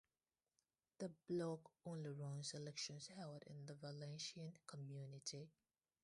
The Bloc only runs elections held in the Valencian Community.